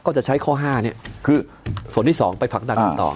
จะใช้ข้อ๕เนี่ยคือส่วนที่๒ไปผลักดันกันต่อ